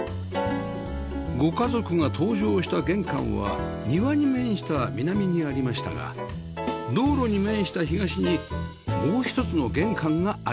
ご家族が登場した玄関は庭に面した南にありましたが道路に面した東にもう一つの玄関があります